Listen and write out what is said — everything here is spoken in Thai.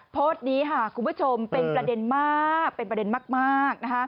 โพสต์นี้ค่ะคุณผู้ชมเป็นประเด็นมากเป็นประเด็นมาก